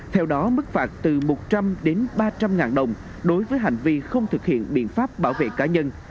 theo đó mức phạt từ một trăm linh đến ba trăm linh ngàn đồng đối với hành vi không thực hiện biện pháp bảo vệ cá nhân